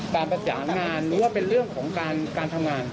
การประสานงานหรือว่าเป็นเรื่องของการทำงาน